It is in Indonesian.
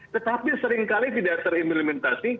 tetapi seringkali tidak terimplementasi